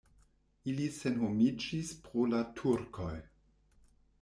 Ili senhomiĝis pro la turkoj.